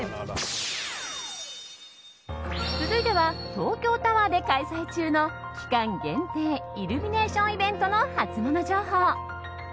続いては東京タワーで開催中の期間限定、イルミネーションイベントのハツモノ情報。